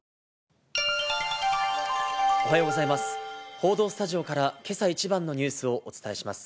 報道スタジオからけさ一番のニュースをお伝えします。